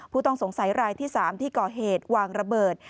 ผู้ต้องสงสัยรายที่๓ที่ก่อเหตุวางระเบิด